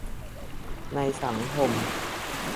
ในสังคม